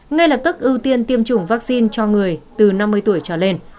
ngay lập tức ưu tiên tiêm chủng vaccine cho người từ năm mươi tuổi trở lên